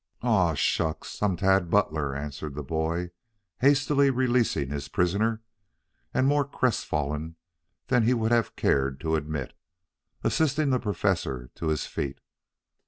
"Oh, shucks! I'm Tad Butler," answered the boy, hastily releasing his prisoner, and, more crestfallen than he would have cared to admit, assisting the Professor to his feet.